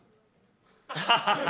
ハハハハ！